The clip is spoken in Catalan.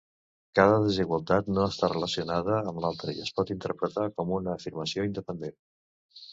Cada desigualtat no està relacionada amb l'altra i es pot interpretar com una afirmació independent.